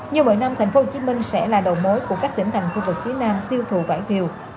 như mỗi năm tp hcm sẽ là đầu mối của các tỉnh thành khu vực phía nam tiêu thụ vải thiều